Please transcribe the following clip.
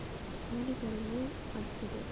ஆதி கருவூர், அடுத்தது.